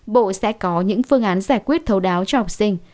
bộ sẽ có những phương án giải quyết thấu đáo cho học sinh